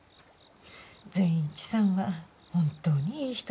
善一さんは本当にいい人さ。